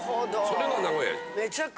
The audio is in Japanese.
それが名古屋。